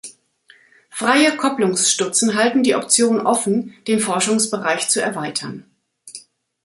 Freie Kopplungsstutzen halten die Option offen, den Forschungsbereich zu erweitern.